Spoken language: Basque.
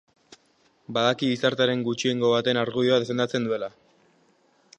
Badaki gizartearen gutxiengo baten argudioa defendatzen duela.